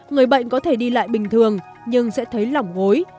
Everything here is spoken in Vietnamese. người bệnh có thể đi lại bình thường nhưng sẽ thấy lỏng gối